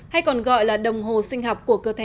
hay còn gọi là đồng hồ sinh học của cơ thể